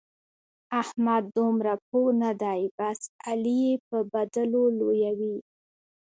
احمد دومره پوه نه دی؛ بس علي يې به بدلو لويوي.